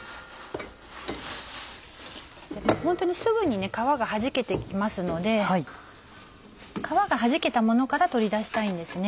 ホントにすぐに皮がはじけて来ますので皮がはじけたものから取り出したいんですね。